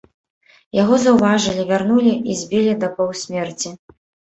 Яго заўважылі, вярнулі і збілі да паўсмерці.